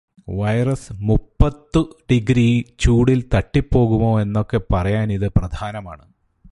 virus മുപ്പത്തു degree ചൂടില് തട്ടി പോകുമോ എന്നൊക്കെ പറയാൻ ഇത് പ്രധാനമാണ്